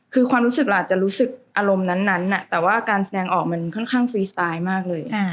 คือความรู้สึกเราอาจจะรู้สึกอารมณ์นั้นแต่ว่าการแสดงออกมันค่อนข้างฟรีสไตล์มากเลย